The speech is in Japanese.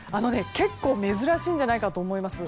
結構珍しいんじゃないかと思います。